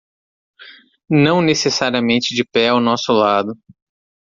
Não necessariamente de pé ao nosso lado